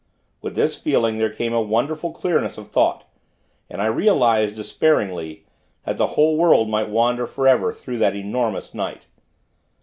With this feeling, there came a wonderful clearness of thought, and I realized, despairingly, that the world might wander for ever, through that enormous night.